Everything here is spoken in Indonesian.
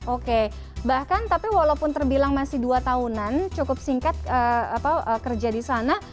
oke bahkan tapi walaupun terbilang masih dua tahunan cukup singkat kerja di sana